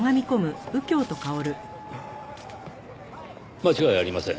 間違いありません。